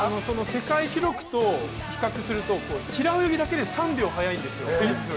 世界記録と比較すると平泳ぎだけで３秒速いんですよ